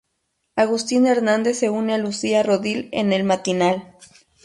Agustín Hernández se une a Lucía Rodil en el matinal.